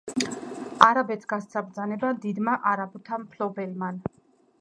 არაბეთს გასცა ბრძანება დიდმან არაბთა მფლობელმან: